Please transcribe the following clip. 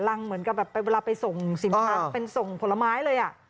เหมือนกับแบบเวลาไปส่งสินค้าเป็นส่งผลไม้เลย